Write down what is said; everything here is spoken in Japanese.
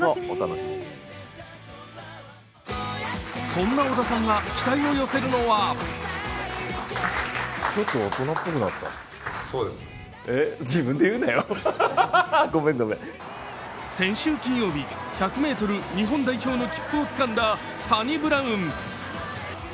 そんな織田さんが期待を寄せるのは先週金曜日、１００ｍ日本代表の切符をつかんだサニブラウン。